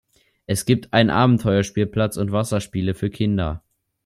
Es gibt einen Abenteuerspielplatz und Wasserspiele für Kinder.